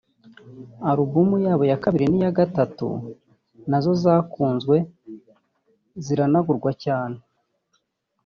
Album yabo ya kabiri n’iya gatatu nazo zarakunzwe ziranagurwa cyane